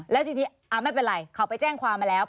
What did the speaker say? แล้วทีนี้ไม่เป็นไรเขาไปแจ้งความมาแล้ว